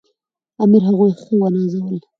امیر هغوی ښه ونازول.